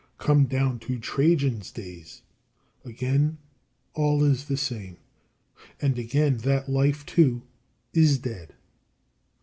Come down to Trajan's days. Again all is the same; and again, that life, too, is dead.